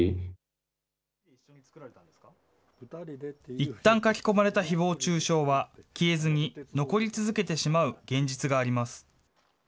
いったん書き込まれたひぼう中傷は、消えずに残り続けてしまう現実があります。